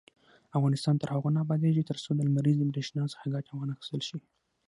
افغانستان تر هغو نه ابادیږي، ترڅو د لمریزې بریښنا څخه ګټه وانخیستل شي.